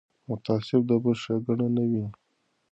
متعصب د بل ښېګڼه نه ویني